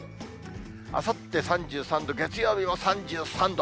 あさって３３度、月曜日も３３度。